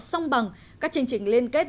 song bằng các chương trình liên kết